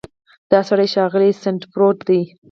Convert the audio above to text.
دا سړی ښاغلی سنډفورډ و.